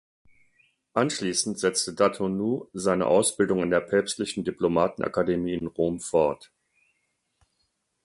Anschließend setzte Datonou seine Ausbildung an der Päpstlichen Diplomatenakademie in Rom fort.